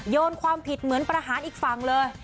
โยนความผิดเหมือนประหารอีกฝั่งเลย